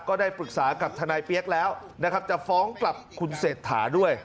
ก็ได้ปรึกษากับทนายเปี๊ยกแล้วนะครับจะฟ้องกลับคุณเศรษฐาด้วย